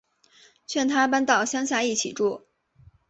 劝他搬到乡下一起住